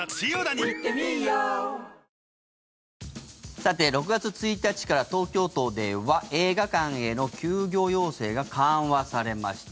さて６月１日から東京都では映画館への休業要請が緩和されました。